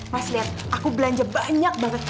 mas lihat aku belanja banyak banget